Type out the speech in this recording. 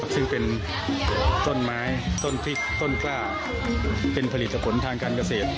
ซึ่งเป็นต้นไม้ต้นพริกต้นกล้าเป็นผลิตผลทางการเกษตร